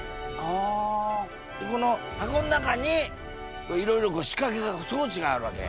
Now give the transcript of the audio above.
あ！でこの箱の中にいろいろこう仕掛けが装置があるわけ。